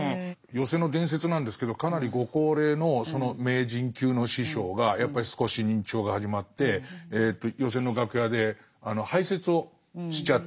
寄席の伝説なんですけどかなりご高齢のその名人級の師匠がやっぱり少し認知症が始まってえと寄席の楽屋で排泄をしちゃって。